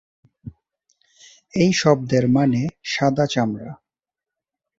এই শব্দের মানে "সাদা চামড়া"।